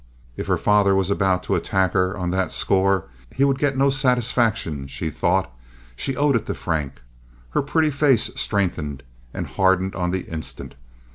If her father was about to attack her on that score, he would get no satisfaction, she thought. She owed it to Frank. Her pretty face strengthened and hardened on the instant.